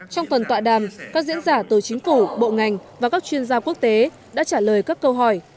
trong phần tọa đàm các diễn giả từ chính phủ bộ ngành và các chuyên gia quốc tế đã trả lời các câu hỏi